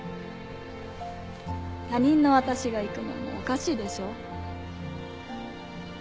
他人の私が行くのもおかしいでしょ。